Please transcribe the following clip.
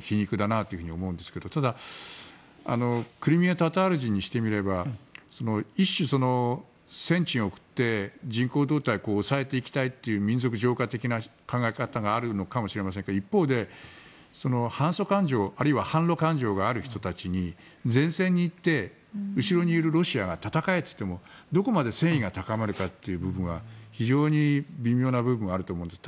皮肉だなと思うんですがただ、クリミア・タタール人にしてみれば一種、戦地に送って人口動態を抑えていきたいという民族浄化的な考え方があるのかもしれませんが一方で反ソ感情あるいは反ロ感情がある人たちに前線に行って後ろにいるロシアが戦えと言ってもどこまで戦意が高まるかという部分は非常に微妙な部分があります。